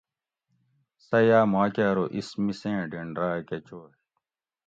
سٞہ یاٞ ماکٞہ ارو اِس مِس ایں ڈینڑ راٞک چوئ